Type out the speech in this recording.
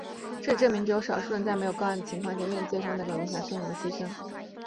事实证明只有少数人在没有高压的情况下愿意接受那种影响深远的牺牲。